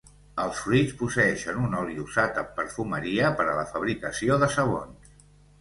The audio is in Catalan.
Els fruits posseeixen un oli usat en perfumeria per a la fabricació de sabons.